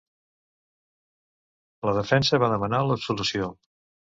La defensa va demanar l'absolució.